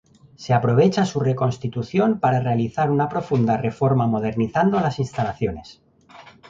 Se aprovecha su reconstrucción para realizar una profunda reforma modernizando las instalaciones.